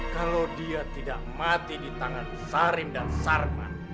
kalau dia tidak mati di tangan sarim dan sarman